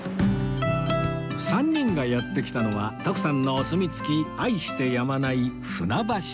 ３人がやって来たのは徳さんのお墨付き愛してやまない船橋屋